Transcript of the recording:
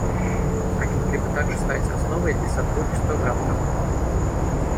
Они могли бы также стать основой для сотрудничества в рамках.